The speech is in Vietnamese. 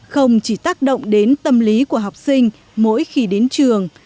không chỉ tác động đến tâm lý của học sinh mỗi khi đến trường